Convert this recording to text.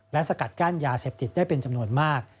และสกัดกั้นยาเสพติดได้เป็นจำนวนมาก